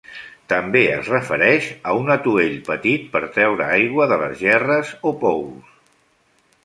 També es refereix a un atuell petit per treure aigua de les gerres o pous.